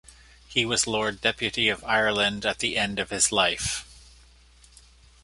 He was Lord Deputy of Ireland at the end of his life.